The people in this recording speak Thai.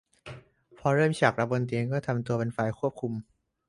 พอเริ่มฉากรักบนเตียงก็ทำตัวเป็นฝ่ายควบคุม